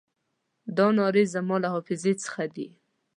دا نارې زما له حافظې څخه دي.